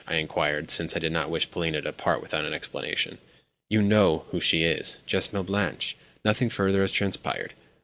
I inquired (since I did not wish Polina to depart without an explanation). "You know who she is—just Mlle. Blanche. Nothing further has transpired.